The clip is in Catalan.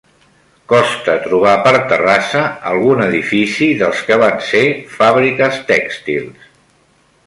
Costa trobar per Terrassa algun edifici dels que van ser fàbriques tèxtils.